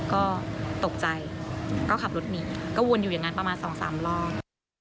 ก็ตกใจก็ขับรถหนีก็วนอยู่อย่างนั้นประมาณ๒๓รอบ